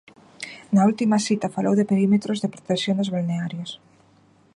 Na última cita falou de perímetros de protección dos balnearios.